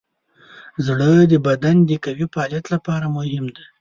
زړه د بدن د قوي فعالیت لپاره مهم دی.